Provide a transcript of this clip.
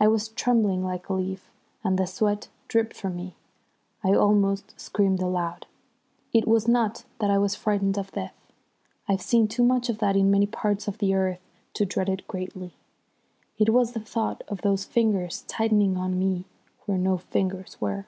I was trembling like a leaf, and the sweat dripped from me. I almost screamed aloud. It was not that I was frightened of death. I've seen too much of that in many parts of the earth to dread it greatly. It was the thought of those fingers tightening on me where no fingers were.